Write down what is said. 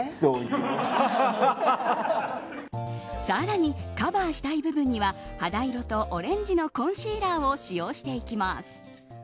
更に、カバーしたい部分には肌色とオレンジのコンシーラーを使用していきます。